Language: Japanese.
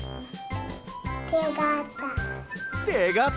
てがた。